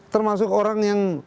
termasuk orang yang